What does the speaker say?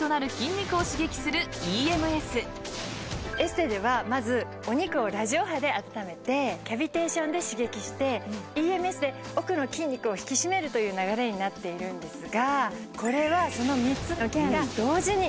エステではまずお肉をラジオ波で温めてキャビテーションで刺激してＥＭＳで奥の筋肉を引き締めるという流れになっているんですがこれはその３つのケアが同時にできちゃうんです。